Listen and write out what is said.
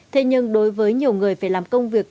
thế nhưng đối với nhiều người phải làm công việc